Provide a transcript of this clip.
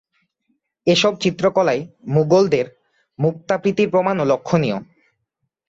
এসব চিত্রকলায় মুগলদের মুক্তা-প্রীতির প্রমাণও লক্ষণীয়।